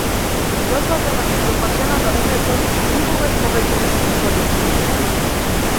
Изложбата на изопачената уметност никогаш повеќе не се повторила.